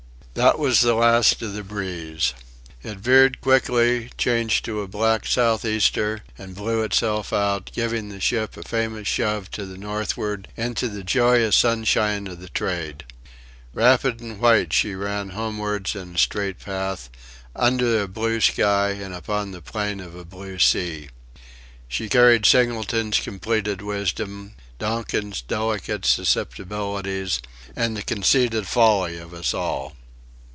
This was the last of the breeze. It veered quickly, changed to a black south easter, and blew itself out, giving the ship a famous shove to the northward into the joyous sunshine of the trade. Rapid and white she ran homewards in a straight path, under a blue sky and upon the plain of a blue sea. She carried Singleton's completed wisdom, Donkin's delicate susceptibilities, and the conceited folly of us all.